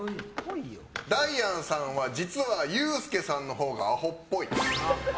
ダイアンさんは実はユースケさんのほうがアホっぽい。